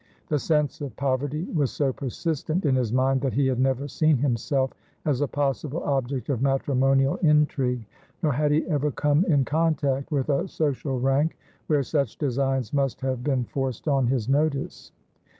The sense of poverty was so persistent in his mind that he had never seen himself as a possible object of matrimonial intrigue; nor had he ever come in contact with a social rank where such designs must have been forced on his notice.